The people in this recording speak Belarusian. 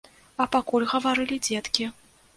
А пакуль гаварылі дзеткі.